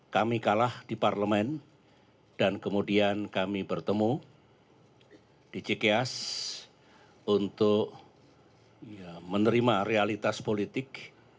kami kalah di parlemen dan kemudian kami bertemu di cks untuk menerima realitas politik